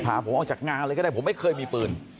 พาผมออกจากงานเลยก็ได้ผมไม่เคยมีปืน